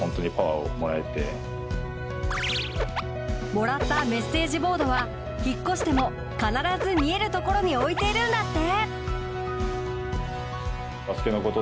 もらったメッセージボードは引っ越しても必ず見える所に置いているんだって。